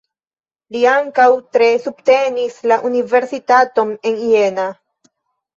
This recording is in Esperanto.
Li ankaŭ tre subtenis la Universitaton en Jena.